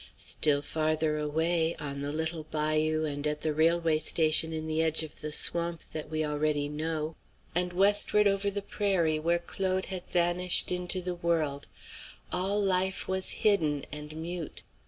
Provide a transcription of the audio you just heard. Still farther away, on the little bayou and at the railway station in the edge of the swamp that we already know, and westward over the prairie where Claude had vanished into the world, all life was hidden and mute.